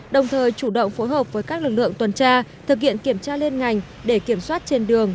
đồng thời chủ động phối hợp với các lực lượng tuần tra thực hiện kiểm tra liên ngành để kiểm soát trên đường